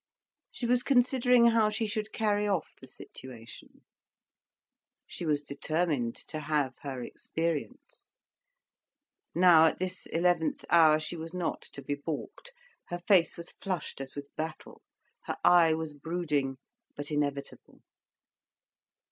She was considering how she should carry off the situation. She was determined to have her experience. Now, at this eleventh hour, she was not to be baulked. Her face was flushed as with battle, her eye was brooding but inevitable.